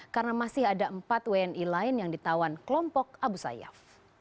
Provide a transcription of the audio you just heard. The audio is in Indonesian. karena masih ada empat wni lain yang ditawan kelompok abu sayyaf